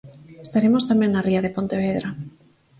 Estaremos tamén na ría de Pontevedra.